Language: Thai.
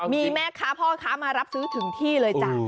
มีแม่ค้าพ่อค้ามารับซื้อถึงที่เลยจ้ะ